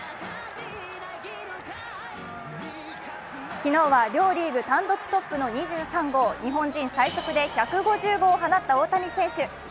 昨日は両リーグ単独トップの２３号、日本人最速で１５０号を放った大谷選手。